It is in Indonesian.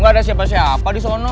gak ada siapa siapa disana